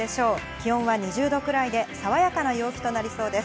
気温は２０度くらいで、さわやかな陽気となりそうです。